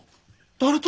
誰と？